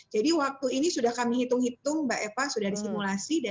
jadi waktu ini sudah kami hitung hitung mbak eva sudah disimulasi